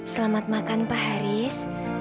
selamat makan pak haris